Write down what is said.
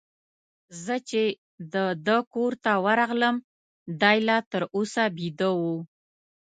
زه چي د ده کور ته ورغلم، دی لا تر اوسه بیده وو.